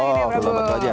oh gula batu aja